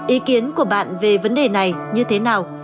ý kiến của bạn về vấn đề này như thế nào